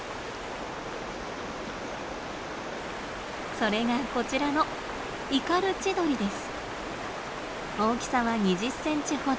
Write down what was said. それがこちらの大きさは２０センチほど。